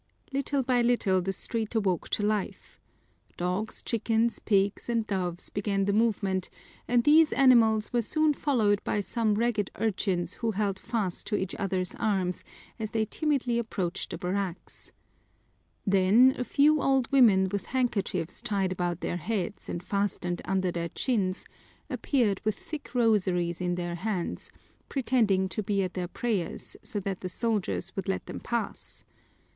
Little by little the street awoke to life. Dogs, chickens, pigs, and doves began the movement, and these animals were soon followed by some ragged urchins who held fast to each other's arms as they timidly approached the barracks. Then a few old women with handkerchiefs tied about their heads and fastened under their chins appeared with thick rosaries in their hands, pretending to be at their prayers so that the soldiers would let them pass.